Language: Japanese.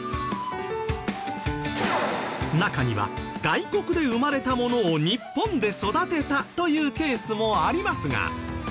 中には外国で生まれたものを日本で育てたというケースもありますが。